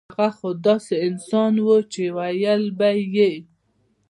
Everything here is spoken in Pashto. هغه خو داسې انسان وو چې وييل به يې